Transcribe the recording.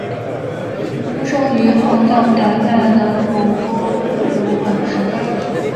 法成出生于后藏达那的吐蕃贵族管氏家族。